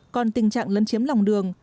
còn tình trạng lấn chiếm lòng đường